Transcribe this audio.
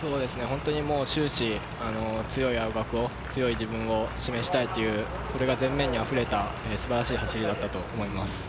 終始、強い青学を、強い自分を示したいという気持ちが溢れた素晴らしい走りだったと思います。